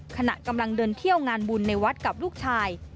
ขณะกำลังเดินเที่ยวงานบุญในวัดกับลูกชาย